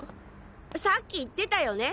さっき言ってたよね？